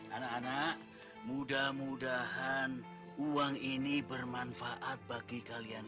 anak anak mudah mudahan uang ini bermanfaat bagi kalian